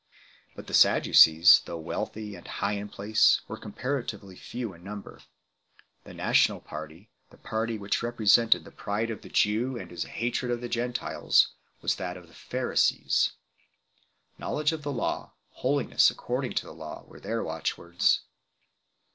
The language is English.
But the Sadducees, though wealthy and high in place, were comparatively few in number ; the national party, the party which represented the pride of the Jew and his hatred of the Gentiles, was that of the Pharisees. Know ledge of the Law, holiness according to the Law, were their watchwords.